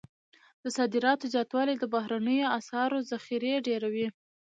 د صادراتو زیاتوالی د بهرنیو اسعارو ذخیرې ډیروي.